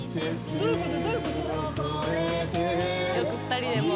どういうこと？